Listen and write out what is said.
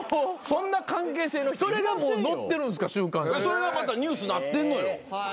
それがまたニュースなってんのよ。